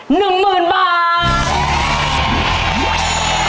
๑หมื่นบาท